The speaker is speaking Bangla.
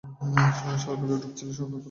সরকারের রূপ ছিল সনাতন রাজতন্ত্র।